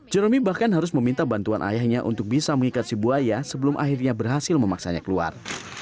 jeromi bahkan harus meminta bantuan ayahnya untuk bisa mengikat si buaya sebelum akhirnya berhasil memaksanya keluar